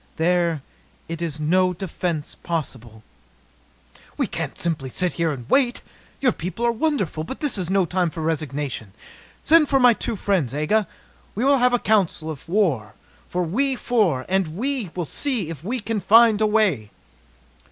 There is no defence possible." "We can't simply sit here and wait! Your people are wonderful, but this is no time for resignation. Send for my two friends, Aga. We will have a council of war, we four, and see if we can find a way!"